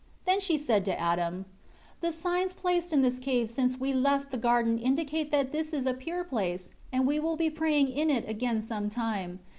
2 Then she said to Adam, "The signs placed in this cave since we left the garden indicate that this is a pure place and we will be praying in it again some time.